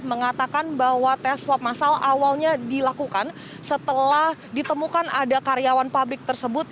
mengatakan bahwa tes swab masal awalnya dilakukan setelah ditemukan ada karyawan pabrik tersebut